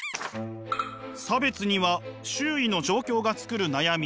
差別には周囲の状況が作る悩み